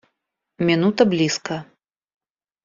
Минута близко.